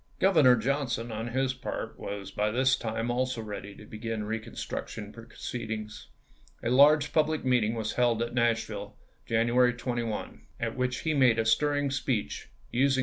Governor Johnson, on his part, was by this time also ready to begin reconstruction proceedings. A large public meeting was held at Nashville, Janu ary 21, at which he made a stirring speech, using i864.